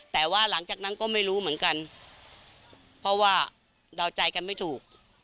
แต่ว่าหลังจากนั้นก็ไม่รู้เหมือนกันเพราะว่าเดาใจกันไม่ถูก